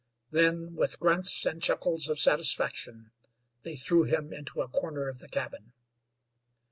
Then, with grunts and chuckles of satisfaction, they threw him into a corner of the cabin.